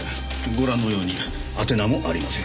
ご覧のようにあて名もありません。